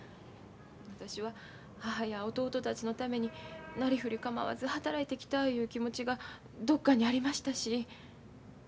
私は母や弟たちのためになりふり構わず働いてきたいう気持ちがどっかにありましたし。